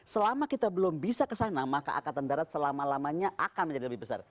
selama kita belum bisa ke sana maka angkatan darat selama lamanya akan menjadi lebih besar